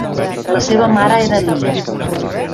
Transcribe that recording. La seva mare era Lia.